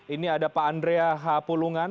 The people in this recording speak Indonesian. ini ada pak andrea h pulungan